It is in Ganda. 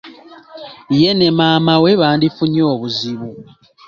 Ye ne maama we bandifunye obuzibu.